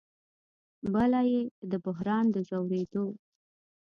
بله یې د بحران د ژورېدو